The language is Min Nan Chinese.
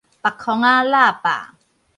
縛框仔喇叭